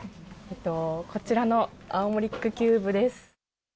こちらのアオモリックキューブです。